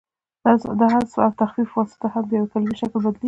د حذف او تخفیف په واسطه هم د یوې کلیمې شکل بدلیږي.